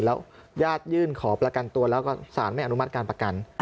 แล้วญาติยื่นขอประกันตัวแล้วก็สารไม่อนุมัติการประกัน